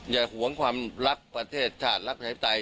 อย่าหวงความรักประเทศชาติรักประเทศไทย